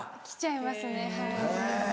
来ちゃいますねはい。